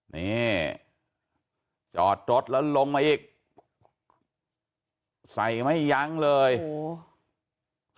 นี่จอดรถแล้วลงมาอีกใส่ไม่ยั้งเลยโอ้โห